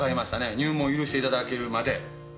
入門許していただけるまで。